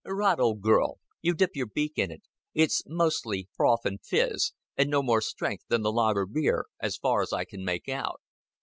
"Rot, old girl. You dip your beak in it it's mostly froth and fizz, and no more strength than the lager beer, as far as I can make out."